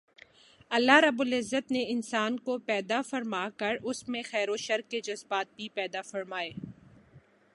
اللہ رب العزت نے انسان کو پیدا فرما کر اس میں خیر و شر کے جذبات بھی پیدا فرمائے